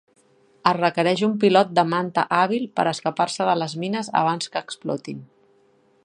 Es requereix un pilot de Manta hàbil per escapar-se de les mines abans que explotin.